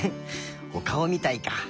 おかおみたいか。